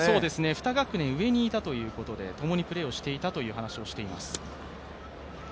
２学年上にいたということでともにプレーをしたという話をしています。